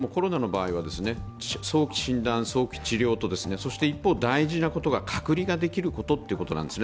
どうしてもコロナの場合は早期診断、早期治療とそして一方、大事なことが隔離ができることなんですね。